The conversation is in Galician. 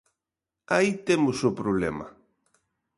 Aí temos o problema.